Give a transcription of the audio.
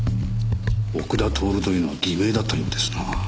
奥田徹というのは偽名だったようですな。